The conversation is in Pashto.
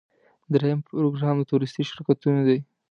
دریم پروګرام د تورېستي شرکتونو دی.